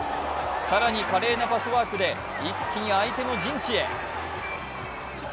更に華麗なパスワークで一気に相手の陣地へ。